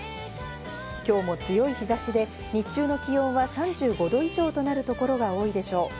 今日も強い日差しで日中の気温は３５度以上となるところが多いでしょう。